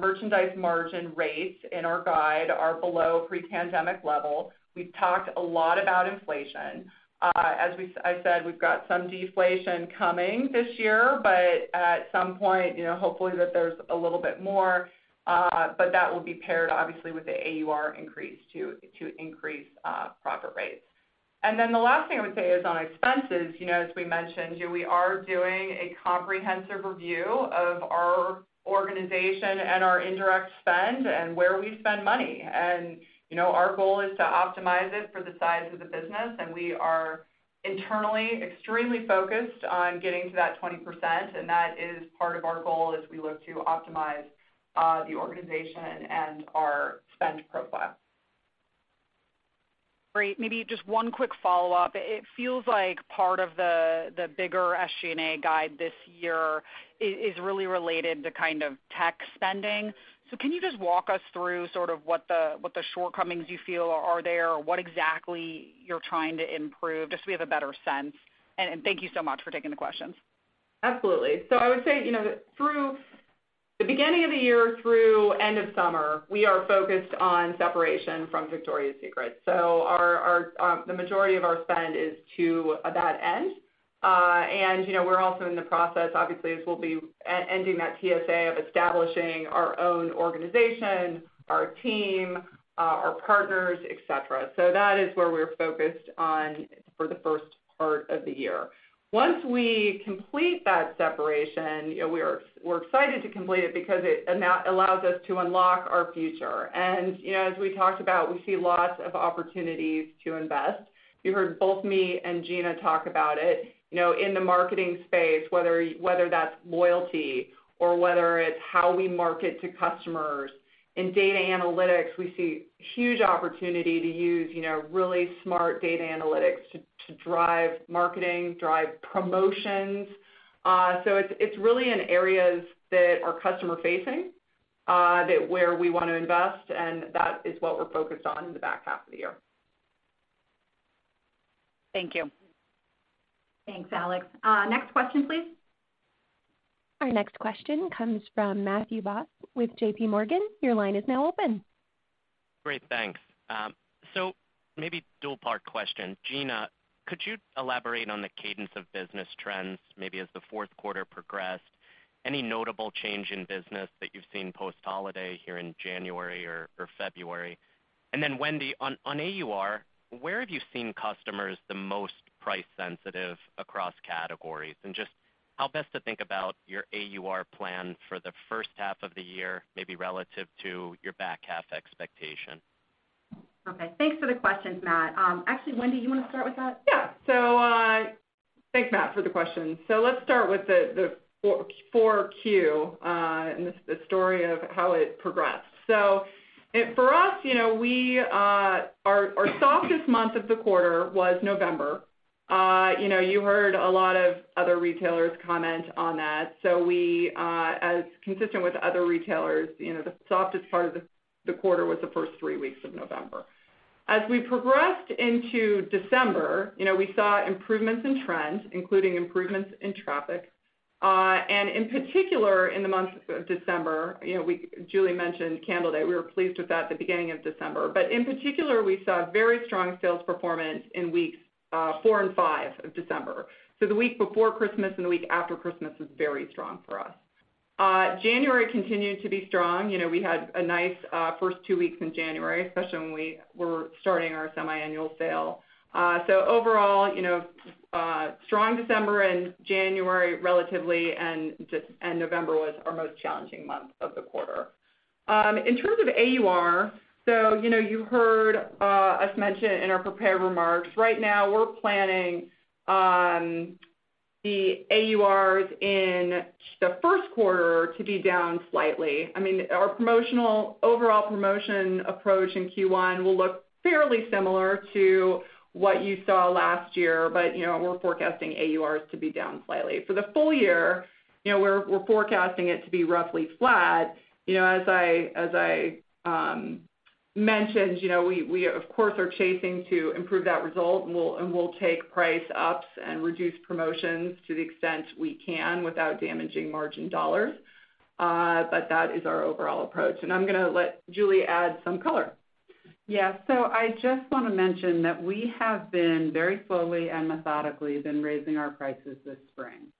merchandise margin rates in our guide are below pre-pandemic level. We've talked a lot about inflation. As I said, we've got some deflation coming this year, but at some point, you know, hopefully that there's a little bit more, but that will be paired obviously with the AUR increase to increase profit rates. The last thing I would say is on expenses, you know, as we mentioned, you know, we are doing a comprehensive review of our organization and our indirect spend and where we spend money. Our goal is to optimize it for the size of the business, and we are internally extremely focused on getting to that 20%, and that is part of our goal as we look to optimize the organization and our spend profile. Great. Maybe just one quick follow-up. It feels like part of the bigger SG&A guide this year is really related to kind of tech spending. Can you just walk us through sort of what the shortcomings you feel are there, or what exactly you're trying to improve, just so we have a better sense? Thank you so much for taking the questions. Absolutely. The beginning of the year through end of summer, we are focused on separation from Victoria's Secret. Our the majority of our spend is to that end. We're also in the process, obviously, as we'll be ending that TSA, of establishing our own organization, our team, our partners, et cetera. That is where we're focused on for the first part of the year. Once we complete that separation, you know, we're excited to complete it because it allows us to unlock our future. You know, as we talked about, we see lots of opportunities to invest. You heard both me and Gina talk about it. You know, in the marketing space, whether that's loyalty or whether it's how we market to customers. In data analytics, we see huge opportunity to use, you know, really smart data analytics to drive marketing, drive promotions. It's really in areas that are customer-facing, that where we wanna invest, that is what we're focused on in the back half of the year. Thank you. Thanks, Alex. Next question, please. Our next question comes from Matthew Boss with JPMorgan. Your line is now open. Great. Thanks. Maybe dual-part question. Gina, could you elaborate on the cadence of business trends, maybe as the fourth quarter progressed, any notable change in business that you've seen post-holiday here in January or February? Wendy, on AUR, where have you seen customers the most price sensitive across categories? How best to think about your AUR plan for the first half of the year, maybe relative to your back half expectation. Okay. Thanks for the questions, Matt. actually, Wendy, you wanna start with that? Thanks, Matt, for the question. Let's start with the 4 Q and the story of how it progressed. For us, you know, our softest month of the quarter was November. You know, you heard a lot of other retailers comment on that. We, as consistent with other retailers, you know, the softest part of the quarter was the first three weeks of November. As we progressed into December, you know, we saw improvements in trends, including improvements in traffic. And in particular, in the month of December, you know, Julie mentioned Candle Day. We were pleased with that at the beginning of December. In particular, we saw very strong sales performance in weeks four and five of December. The week before Christmas and the week after Christmas was very strong for us. January continued to be strong. You know, we had a nice, first two weeks in January, especially when we were starting our semiannual sale. Overall, you know, strong December and January relatively, and November was our most challenging month of the quarter. In terms of AUR, you know, you heard us mention in our prepared remarks, right now we're planning the AURs in the first quarter to be down slightly. I mean, our overall promotion approach in Q1 will look fairly similar to what you saw last year, but, you know, we're forecasting AURs to be down slightly. For the full year, you know, we're forecasting it to be roughly flat. You know, as I mentioned, you know, we of course, are chasing to improve that result, and we'll take price ups and reduce promotions to the extent we can without damaging margin dollars. That is our overall approach. I'm gonna let Julie add some color. I just wanna mention that we have been very slowly and methodically been raising our prices this spring.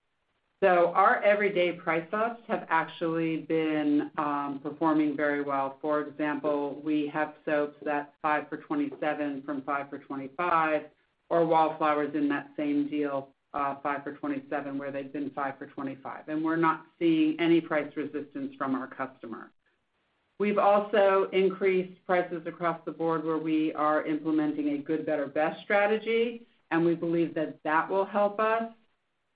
Our everyday price ups have actually been performing very well. For example, we have soaps that's five for $27 from five for $25, or Wallflowers in that same deal, five for $27, where they've been five for $25. We're not seeing any price resistance from our customer. We've also increased prices across the board where we are implementing a good, better, best strategy, and we believe that that will help us.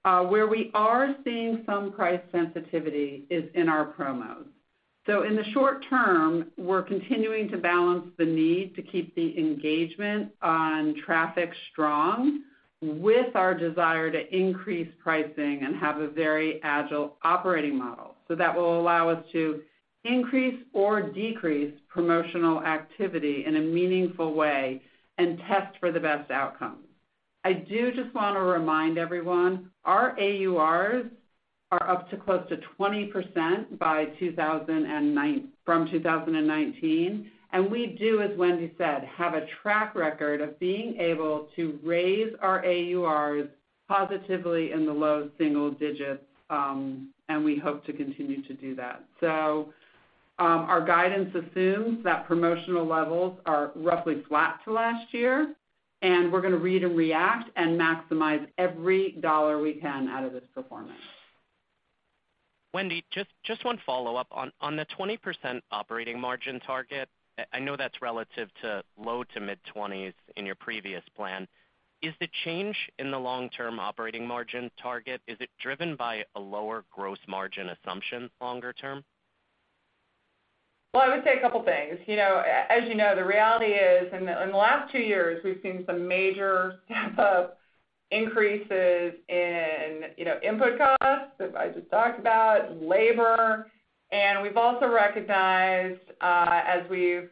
Where we are seeing some price sensitivity is in our promos. In the short term, we're continuing to balance the need to keep the engagement on traffic strong with our desire to increase pricing and have a very agile operating model. That will allow us to increase or decrease promotional activity in a meaningful way and test for the best outcome. I do just wanna remind everyone, our AURs are up to close to 20% from 2019, and we do, as Wendy said, have a track record of being able to raise our AURs positively in the low single digits, and we hope to continue to do that. Our guidance assumes that promotional levels are roughly flat to last year, and we're gonna read and react and maximize every $ we can out of this performance. Wendy, just one follow-up on the 20% operating margin target. I know that's relative to low to mid-20s in your previous plan. Is the change in the long-term operating margin target, is it driven by a lower gross margin assumption longer term? Well, I would say a couple things. You know, as you know, the reality is in the, in the last two years, we've seen some major step up increases in, you know, input costs that I just talked about, labor. We've also recognized, as we've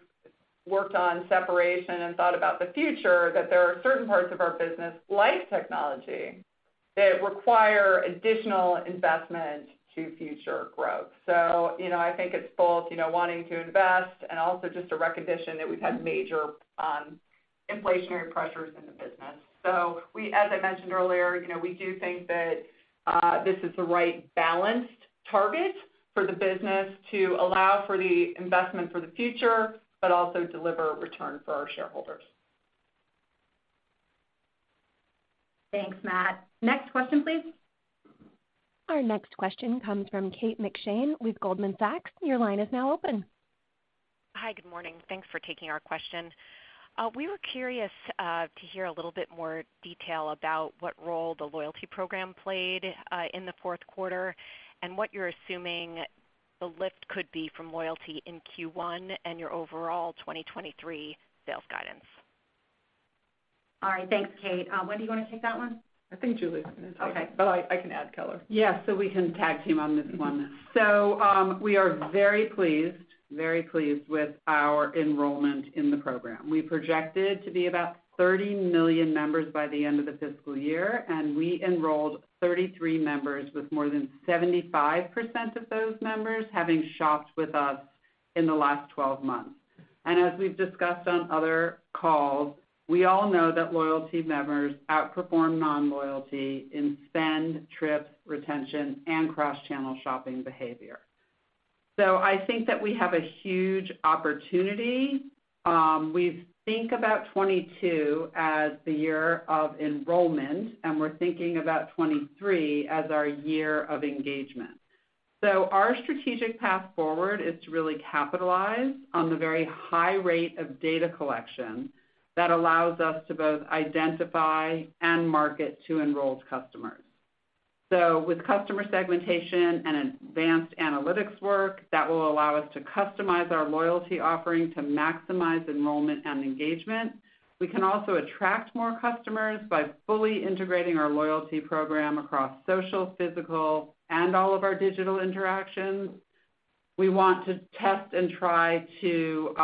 worked on separation and thought about the future, that there are certain parts of our business, like technology, that require additional investment to future growth. You know, I think it's both, you know, wanting to invest and also just a recognition that we've had major inflationary pressures in the business. As I mentioned earlier, you know, we do think that this is the right balanced target for the business to allow for the investment for the future, but also deliver return for our shareholders. Thanks, Matt. Next question, please. Our next question comes from Kate McShane with Goldman Sachs. Your line is now open. Hi. Good morning. Thanks for taking our question. We were curious to hear a little bit more detail about what role the loyalty program played in the fourth quarter, and what you're assuming the lift could be from loyalty in Q1 and your overall 2023 sales guidance? All right. Thanks, Kate. Wendy, you wanna take that one? I think Julie's gonna take it. Okay. I can add color. We can tag team on this one. We are very pleased with our enrollment in the program. We projected to be about 30 million members by the end of the fiscal year, and we enrolled 33 members with more than 75% of those members having shopped with us in the last 12 months. As we've discussed on other calls, we all know that loyalty members outperform non-loyalty in spend, trip, retention, and cross-channel shopping behavior. I think that we have a huge opportunity. We think about 2022 as the year of enrollment, and we're thinking about 2023 as our year of engagement. Our strategic path forward is to really capitalize on the very high rate of data collection that allows us to both identify and market to enrolled customers. With customer segmentation and advanced analytics work, that will allow us to customize our loyalty offering to maximize enrollment and engagement. We can also attract more customers by fully integrating our loyalty program across social, physical, and all of our digital interactions. We want to test and try to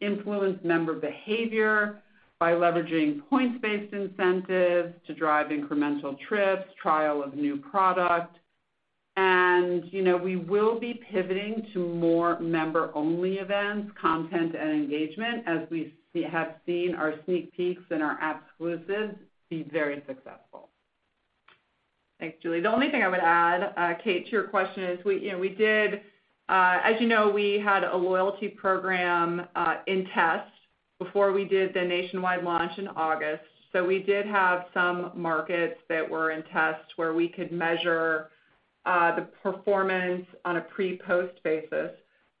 influence member behavior by leveraging points-based incentives to drive incremental trips, trial of new product and, you know, we will be pivoting to more member-only events, content and engagement as we've seen our sneak peeks and our app exclusives be very successful. Thanks, Julie. The only thing I would add, Kate, to your question is we did as you know, we had a loyalty program in test before we did the nationwide launch in August. We did have some markets that were in test where we could measure the performance on a pre-post basis.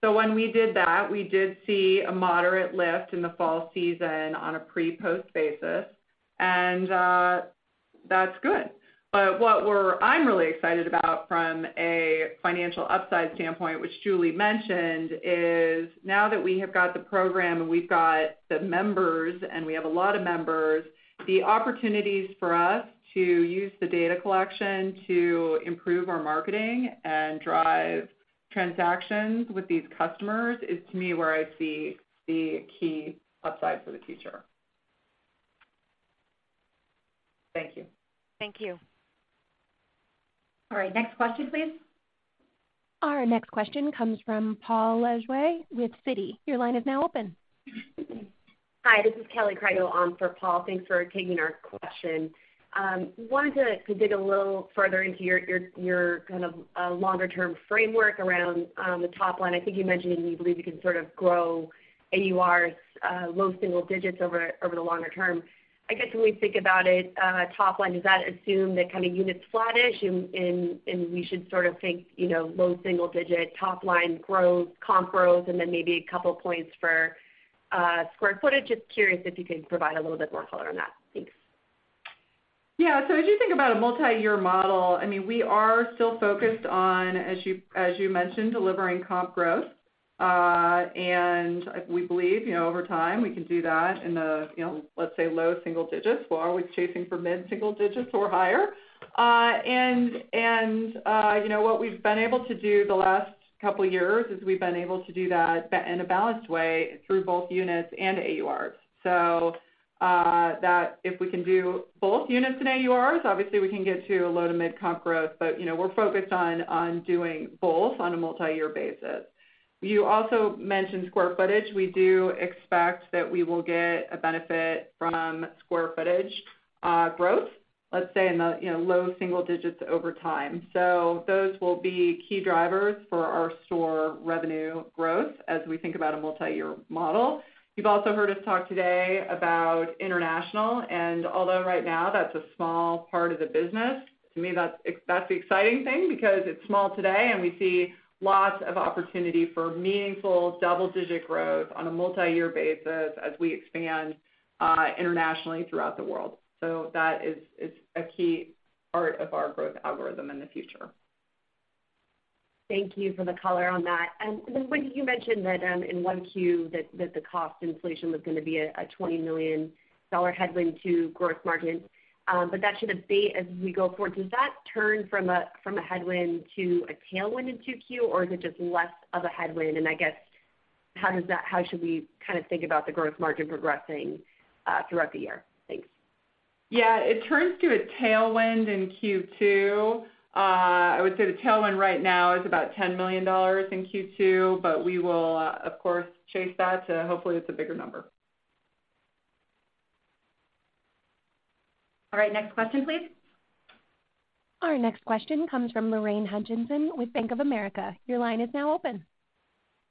When we did that, we did see a moderate lift in the fall season on a pre-post basis, and that's good. What I'm really excited about from a financial upside standpoint, which Julie mentioned, is now that we have got the program and we've got the members, and we have a lot of members, the opportunities for us to use the data collection to improve our marketing and drive transactions with these customers is, to me, where I see the key upside for the future. Thank you. Thank you. All right, next question, please. Our next question comes from Paul Lejuez with Citi. Your line is now open. Hi, this is Kelly Craig on for Paul. Thanks for taking our question. wanted to dig a little further into your kind of longer term framework around the top line. I think you mentioned that you believe you can sort of grow AURs, low single digits over the longer term. I guess, when we think about it, top line, does that assume that kind of units flattish and we should sort of think, you know, low single digit top line growth, comp growth, and then maybe a couple points for square footage? Just curious if you could provide a little bit more color on that. Thanks. Yeah. As you think about a multiyear model, I mean, we are still focused on, as you mentioned, delivering comp growth. We believe, you know, over time, we can do that in the, you know, let's say, low single digits. We're always chasing for mid-single digits or higher. And, you know, what we've been able to do the last couple years is we've been able to do that in a balanced way through both units and AURs. That if we can do both units and AURs, obviously, we can get to a low to mid comp growth. You know, we're focused on doing both on a multiyear basis. You also mentioned square footage. We do expect that we will get a benefit from square footage growth, let's say in the, you know, low single digits over time. Those will be key drivers for our store revenue growth as we think about a multiyear model. You've also heard us talk today about international. Although right now that's a small part of the business, to me, that's the exciting thing because it's small today, and we see lots of opportunity for meaningful double-digit growth on a multiyear basis as we expand internationally throughout the world. That is a key part of our growth algorithm in the future. Thank you for the color on that. Then, Wendy, you mentioned that in 1Q that the cost inflation was gonna be a $20 million headwind to gross margins, that should abate as we go forward. Does that turn from a, from a headwind to a tailwind in 2Q, or is it just less of a headwind? I guess, how should we kind of think about the gross margin progressing throughout the year? Thanks. Yeah. It turns to a tailwind in Q2. I would say the tailwind right now is about $10 million in Q2, but we will, of course, chase that to, hopefully, it's a bigger number. All right, next question, please. Our next question comes from Lorraine Hutchinson with Bank of America. Your line is now open.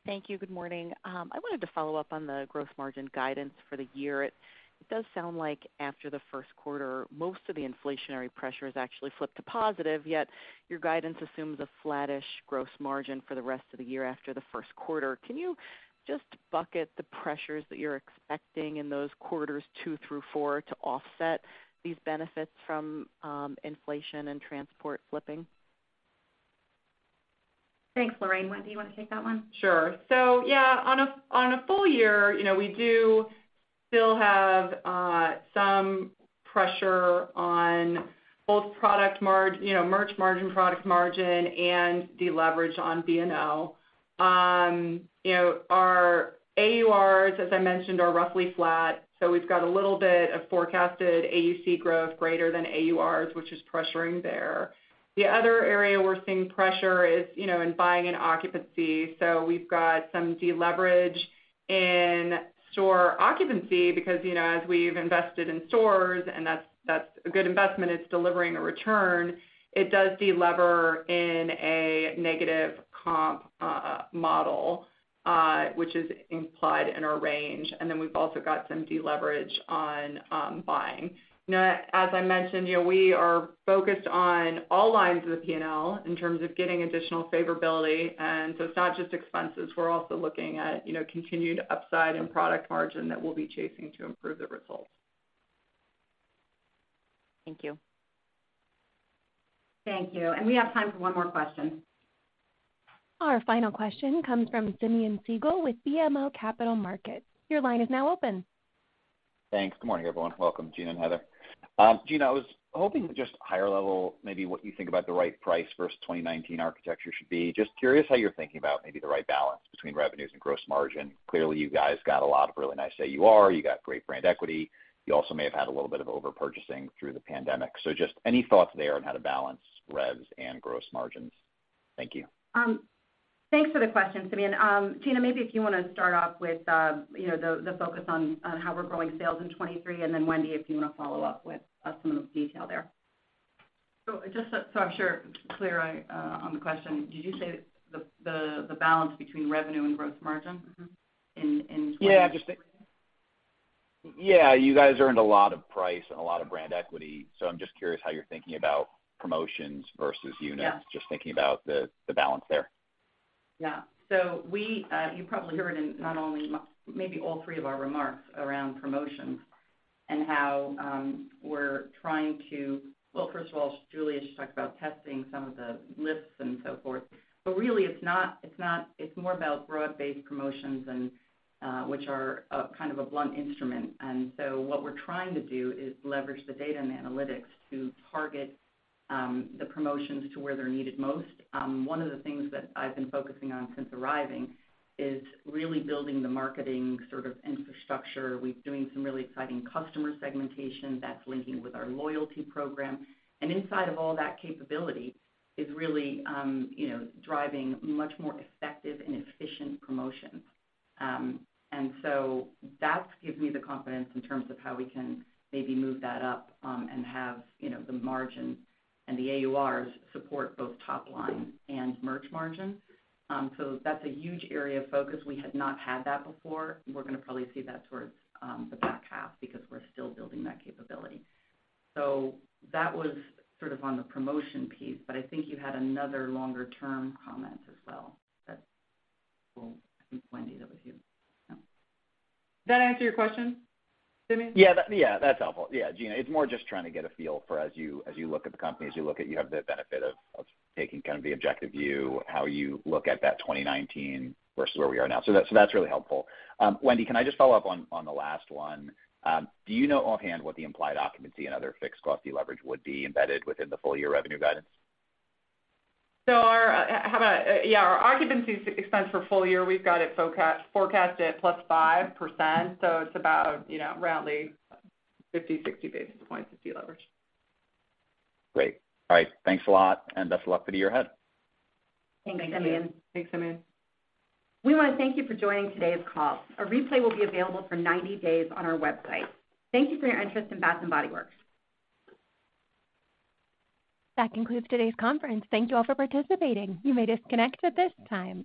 Thank you. Good morning. I wanted to follow up on the gross margin guidance for the year. It, it does sound like after the first quarter, most of the inflationary pressure has actually flipped to positive, yet your guidance assumes a flattish gross margin for the rest of the year after the first quarter. Can you just bucket the pressures that you're expecting in those quarters two through four to offset these benefits from inflation and transport flipping? Thanks, Lorraine. Wendy, you wanna take that one? Sure. Yeah, on a, on a full year, you know, we do still have some pressure on both you know, merch margin, product margin and the leverage on P&L. you know, our AURs, as I mentioned, are roughly flat, we've got a little bit of forecasted AUC growth greater than AURs, which is pressuring there. The other area we're seeing pressure is, you know, in buying and occupancy. We've got some deleverage in store occupancy because, you know, as we've invested in stores, and that's a good investment, it's delivering a return, it does delever in a negative comp model, which is implied in our range. Then we've also got some deleverage on buying. As I mentioned, you know, we are focused on all lines of the P&L in terms of getting additional favorability. It's not just expenses, we're also looking at, you know, continued upside in product margin that we'll be chasing to improve the results. Thank you. Thank you. We have time for one more question. Our final question comes from Simeon Siegel with BMO Capital Markets. Your line is now open. Thanks. Good morning, everyone. Welcome, Gina and Heather. Gina, I was hoping just higher level, maybe what you think about the right price versus 2019 architecture should be. Just curious how you're thinking about maybe the right balance between revenues and gross margin. Clearly, you guys got a lot of really nice AUR. You got great brand equity. You also may have had a little bit of overpurchasing through the pandemic. Just any thoughts there on how to balance revs and gross margins? Thank you. Thanks for the question, Simeon. Gina, maybe if you wanna start off with, you know, the focus on how we're growing sales in 2023. Then Wendy, if you wanna follow up with some of the detail there. just so I'm sure it's clear, I, on the question, did you say the balance between revenue and growth margin-? Mm-hmm. In Yeah, you guys earned a lot of price and a lot of brand equity. I'm just curious how you're thinking about promotions versus units. Yeah. Just thinking about the balance there. We, you probably hear it in not only maybe all three of our remarks around promotions and how. Well, first of all, Julie just talked about testing some of the lifts and so forth. Really it's not, it's more about broad-based promotions and which are a, kind of a blunt instrument. What we're trying to do is leverage the data and analytics to target the promotions to where they're needed most. One of the things that I've been focusing on since arriving is really building the marketing sort of infrastructure. We're doing some really exciting customer segmentation that's linking with our loyalty program. Inside of all that capability is really, you know, driving much more effective and efficient promotions. That's give me the confidence in terms of how we can maybe move that up, and have, you know, the margin and the AURs support both top line and merch margin. That's a huge area of focus. We had not had that before. We're gonna probably see that towards the back half because we're still building that capability. That was sort of on the promotion piece, but I think you had another longer term comment as well. I think, Wendy, that was you. Yeah. Did that answer your question, Simeon? Yeah, that, yeah, that's helpful. Yeah, Gina, it's more just trying to get a feel for as you look at the company, as you look at you have the benefit of taking kind of the objective view, how you look at that 2019 versus where we are now. So that's really helpful. Wendy, can I just follow up on the last one? Do you know offhand what the implied occupancy and other fixed cost deleverage would be embedded within the full year revenue guidance? Our, how about, yeah, our occupancy expense for full year, we've got it forecasted at +5%, it's about, you know, roundly 50, 60 basis points of deleverage. Great. All right. Thanks a lot, and best of luck for the year ahead. Thank you. Thanks, Simeon. Thanks, Simeon. We wanna thank you for joining today's call. A replay will be available for 90 days on our website. Thank you for your interest in Bath & Body Works. That concludes today's conference. Thank you all for participating. You may disconnect at this time.